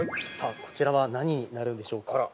さあ、こちらは何になるんでしょうか。